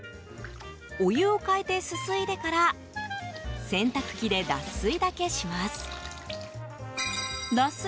お湯を変えてすすいでから洗濯機で脱水だけします。